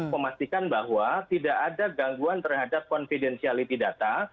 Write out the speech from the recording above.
memastikan bahwa tidak ada gangguan terhadap confidentiality data